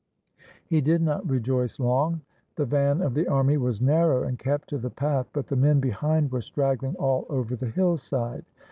He did not rejoice long. The van of the army was narrow and kept to the path, but the men behind were straggling all over the hillside.